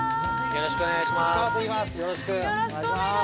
◆よろしくお願いします。